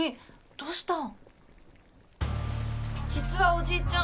どうしたん？